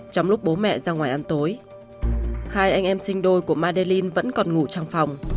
trong lúc bố mẹ ra ngoài ăn tối hai anh em sinh đôi của madelin vẫn còn ngủ trong phòng